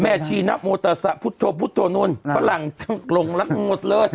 แม่ชีนะโมเตอร์สะพุทโธพุทโธนุนฝรั่งลงแล้วหมดเลย